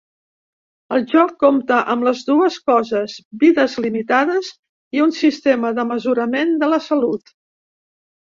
El joc compta amb les dues coses, vides limitades i un sistema de mesurament de la salut.